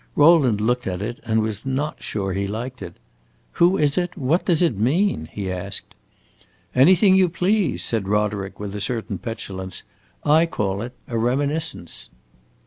Rowland looked at it and was not sure he liked it. "Who is it? what does it mean?" he asked. "Anything you please!" said Roderick, with a certain petulance. "I call it A Reminiscence."